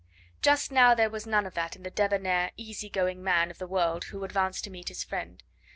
Just now there was none of that in the debonnair, easy going man of the world who advanced to meet his friend.